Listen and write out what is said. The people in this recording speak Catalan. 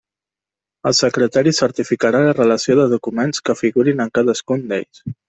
El secretari certificarà la relació de documents que figurin en cadascun d'ells.